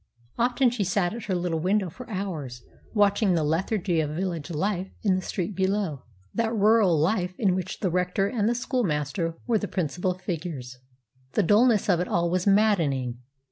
Often she sat at her little window for hours watching the lethargy of village life in the street below, that rural life in which the rector and the schoolmaster were the principal figures. The dullness of it all was maddening.